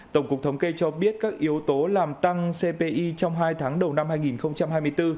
tổng cục thống kê cho biết các yếu tố làm tăng cpi trong hai tháng đầu năm hai nghìn hai mươi bốn